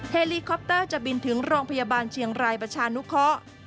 เฮลีคอปเตอร์จะบินถึงโรงพยาบาลเชียงรายประชานุเคาะ